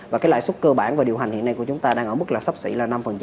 và cái lãi suất cơ bản và điều hành hiện nay của chúng ta đang ở mức là sắp xỉ là năm